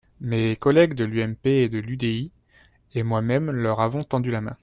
Mes collègues de l’UMP et de l’UDI et moi-même leur avons tendu la main.